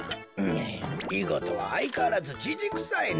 いごとはあいかわらずじじくさいのぉ。